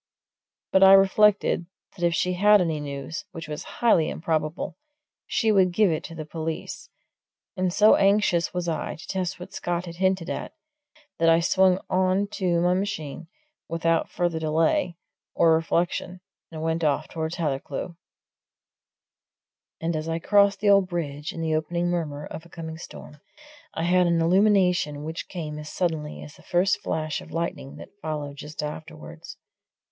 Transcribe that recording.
But I reflected that if she had any news which was highly improbable she would give it to the police; and so anxious was I to test what Scott had hinted at, that I swung on to my machine without further delay or reflection and went off towards Hathercleugh. And as I crossed the old bridge, in the opening murmur of a coming storm, I had an illumination which came as suddenly as the first flash of lightning that followed just afterwards.